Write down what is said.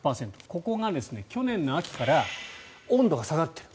ここが去年の秋から温度が下がっている。